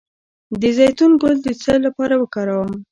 د زیتون ګل د څه لپاره وکاروم؟